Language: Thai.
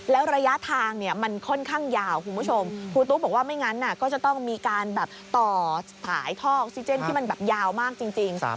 แล้วระยะทางเนี่ยมันค่อนข้างยาวคุณผู้ชมครูตุ๊กบอกว่าไม่งั้นก็จะต้องมีการแบบต่อสายทอกออกซิเจนที่มันแบบยาวมากจริง